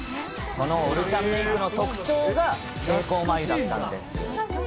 そのオルチャンメークの特徴が、平行眉だったんです。